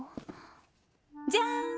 じゃん！